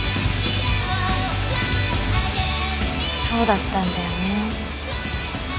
そうだったんだよね。